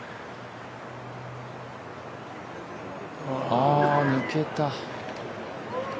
ああ、抜けた。